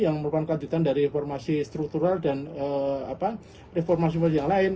yang merupakan kelanjutan dari reformasi struktural dan reformasi yang lain